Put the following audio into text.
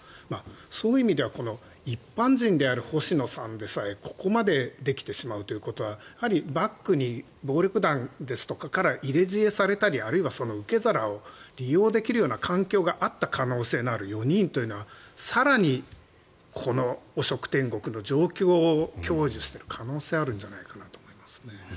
そういう意味では一般人である星野さんでさえここまでできてしまうということはやはりバックに暴力団から入れ知恵されたりあるいは受け皿を利用できる環境のあった可能性のある４人というのは更にこの汚職天国の状況を享受している可能性はあるんじゃないかなと思います。